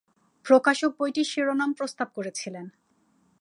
প্রকাশক বইটির শিরোনাম প্রস্তাব করেছিলেন।